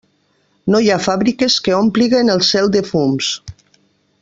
No hi ha fàbriques que òmpliguen el cel de fums.